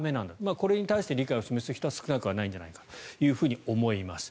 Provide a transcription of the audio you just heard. これに対して理解を示す人は少なくないんじゃないかと思います。